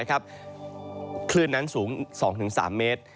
คลื่นนั้นสูง๒๓เมตร